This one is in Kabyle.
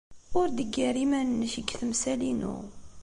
Ur d-ggar iman-nnek deg temsal-inu.